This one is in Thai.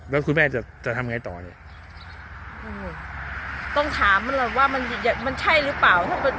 แล้วคุณแม่จะจะทำไงต่อเนี่ยต้องถามมันแหละว่ามันมันใช่หรือเปล่า